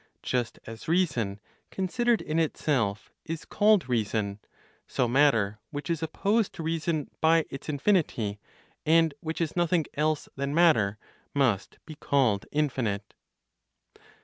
Just as reason, considered in itself, is called reason, so matter, which is opposed to reason by its infinity, and which is nothing else (than matter), must be called infinite.